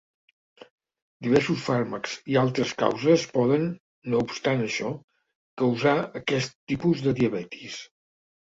Diversos fàrmacs i altres causes poden, no obstant això, causar aquest tipus de diabetis.